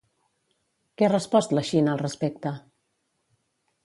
Què ha respost la Xina al respecte?